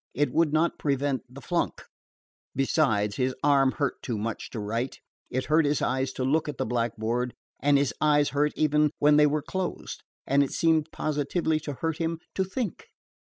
It would not prevent the flunk. Besides, his arm hurt him too much to write. It hurt his eyes to look at the blackboard, and his eyes hurt even when they were closed; and it seemed positively to hurt him to think.